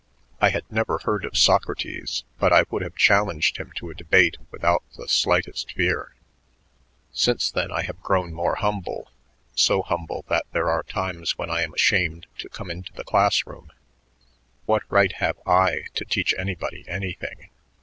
I had never heard of Socrates, but I would have challenged him to a debate without the slightest fear." "Since then I have grown more humble, so humble that there are times when I am ashamed to come into the class room. What right have I to teach anybody anything?